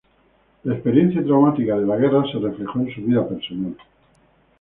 La experiencia traumática de la guerra se reflejó en su vida personal.